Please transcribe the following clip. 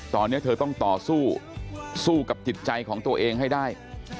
ตอนนี้เธอต้องต่อสู้สู้กับจิตใจของตัวเองให้ได้